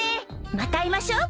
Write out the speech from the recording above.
また会いましょう！